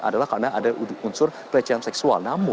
adalah karena ada unsur pelecehan seksual